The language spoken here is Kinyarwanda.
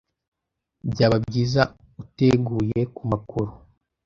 Byaba byiza uteguye kumakuru.